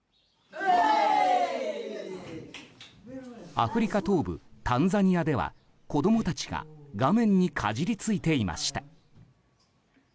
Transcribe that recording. アフリカ東部タンザニアでは子供たちが画面にかじりついていました。